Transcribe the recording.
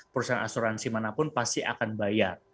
perusahaan asuransi manapun pasti akan bayar